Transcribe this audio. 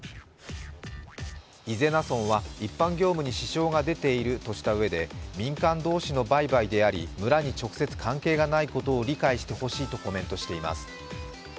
伊是名村は一般業務に支障が出ているとしたうえで民間同士の売買であり村に直接関係がないことを理解してほしいとコメントしています。